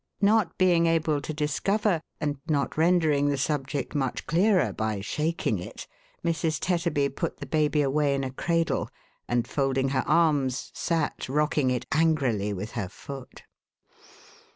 " Not being able to discover, and not rendering the subject much clearer by shaking it, Mrs. Tetterby put the baby away in a cradle, and, folding her arms, sat rocking it angrily with her foot.